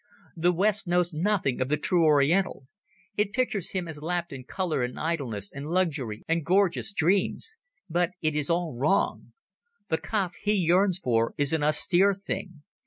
The West knows nothing of the true Oriental. It pictures him as lapped in colour and idleness and luxury and gorgeous dreams. But it is all wrong. The Kaf he yearns for is an austere thing.